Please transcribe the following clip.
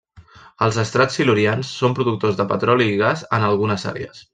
Els estrats silurians són productors de petroli i gas en algunes àrees.